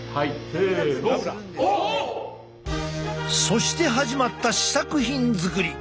そして始まった試作品作り。